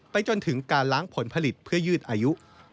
จนถึงการล้างผลผลิตเพื่อยืดอายุ